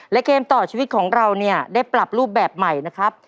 และเกมต่อชีวิตของเราเนี่ยได้ปรับรูปแบบใหม่นะครับ